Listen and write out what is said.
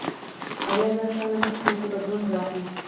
اویا زره کاله مخکې یو څه بدلون راغی.